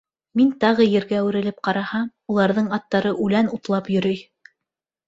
Мин тағы Ергә үрелеп ҡараһам... уларҙың аттары үлән утлап йөрөй.